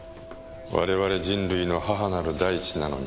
我々人類の母なる大地なのにねぇ。